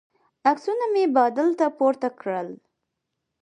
عکسونه مې بادل ته پورته کړل.